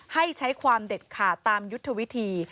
ให้ใช้ความเด็ดขาดตามยุทธวิธี